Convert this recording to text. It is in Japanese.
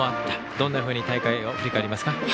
どんなふうに大会を振り返りますか？